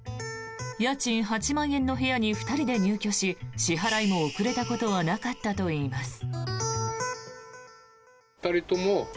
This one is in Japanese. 家賃８万円の部屋に２人で入居し支払いも遅れたことはなかったといいます。